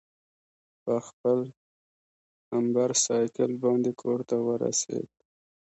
پر خپل امبرسایکل باندې کورته ورسېد.